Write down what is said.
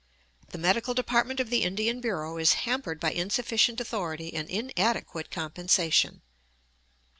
The medical department of the Indian Bureau is hampered by insufficient authority and inadequate compensation.